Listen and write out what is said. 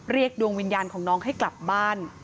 ดวงวิญญาณของน้องให้กลับบ้าน